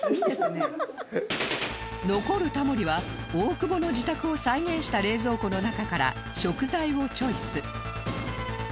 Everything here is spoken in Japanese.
残るタモリは大久保の自宅を再現した冷蔵庫の中から食材をチョイス